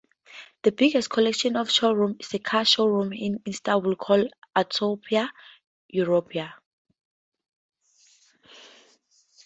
The biggest collection of showrooms is a car showroom in Istanbul called Autopia Europia.